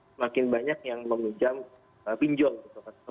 semakin banyak yang meminjam pinjol gitu kan